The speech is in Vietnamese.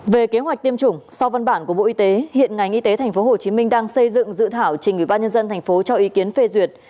về kế hoạch tiêm chủng sau văn bản của bộ y tế hiện ngành y tế tp hcm đang xây dựng dự thảo trình người ba nhân dân thành phố cho ý kiến phê duyệt